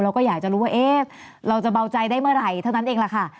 เราก็อยากจะรู้ว่าเราจะเบาใจได้เมื่อไหร่เท่านั้นเองแหละค่ะ